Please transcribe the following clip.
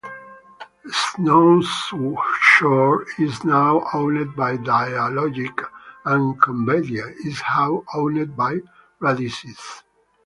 Snowshore is now owned by Dialogic and Convedia is now owned by Radisys.